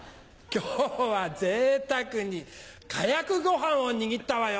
今日はぜいたくにかやくご飯を握ったわよ。